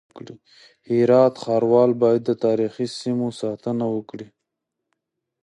د هرات ښاروال بايد د تاريخي سيمو ساتنه وکړي.